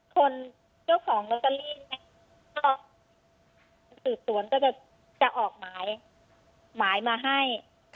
คนเจ้าของเงินตัวลี่ถือสวนก็จะออกหมายหมายมาให้